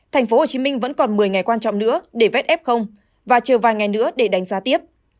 tp hcm vẫn còn một mươi ngày quan trọng nữa để vét f và chờ vài ngày nữa để đánh giá tiếp